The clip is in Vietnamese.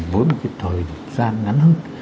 với một cái thời gian ngắn hơn